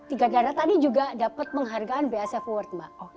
tiga negara tadi juga dapat penghargaan basf awards mbak